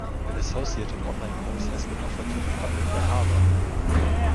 An associated online course has been offered to the public by Harvard.